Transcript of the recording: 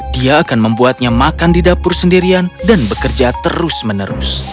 dia akan membuatnya makan di dapur sendirian dan bekerja terus menerus